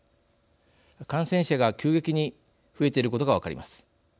感染者が急激に増えていることが分かります。